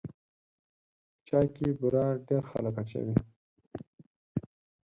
په چای کې بوره ډېر خلک اچوي.